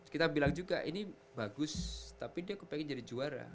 kita bilang juga ini bagus tapi dia kepengen jadi juara